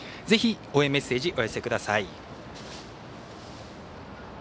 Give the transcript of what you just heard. ぜひ、応援メッセージお寄せください。